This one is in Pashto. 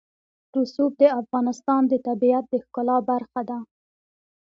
رسوب د افغانستان د طبیعت د ښکلا برخه ده.